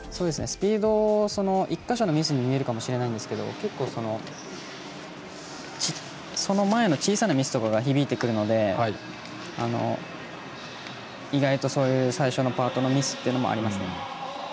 スピード、１か所のミスに見えるかもしれないんですが結構、その前の小さなミスとかが響いてくるので意外と、そういう最初のパートのミスっていうのもありますね。